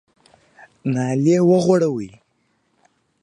نالۍ وغوړوئ !